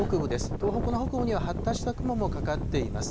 東北の北部には発達した雲もかかっています。